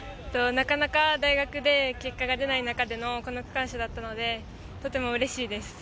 なかなか大学で結果が出ない中でのこの区間賞だったので、とても嬉しいです。